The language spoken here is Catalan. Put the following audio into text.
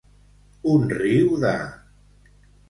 Un riu de.